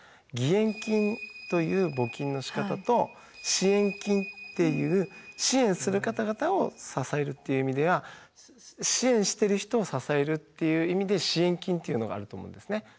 義援金という募金のしかたと支援金っていう支援する方々を支えるっていう意味では支援してる人を支えるっていう意味で支援金っていうのがあると思うんですね。